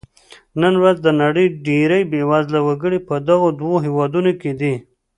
نن ورځ د نړۍ ډېری بېوزله وګړي په دغو دوو هېوادونو کې دي.